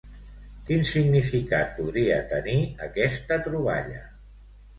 Quin significat podria tenir aquesta troballa?